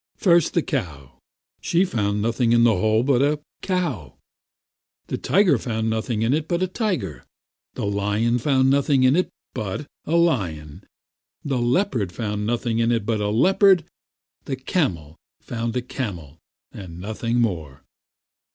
First, the cow. She found nothing in the hole but a cow. The tiger found nothing in it but a tiger. The lion found nothing in it but a lion. The leopard found nothing in it but a leopard. The camel found a camel, and nothing more.